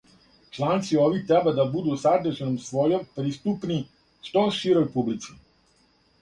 Чланци ови треба да буду садржином својом приступни што широј публици.